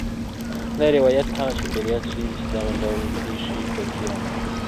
دا روايت هغه چاپېريال ښيي چي دغه ډول پېښي پکي رامنځته کيږي-